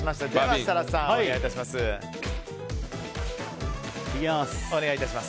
設楽さん、お願いします。